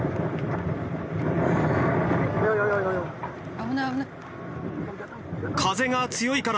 危ない危ない！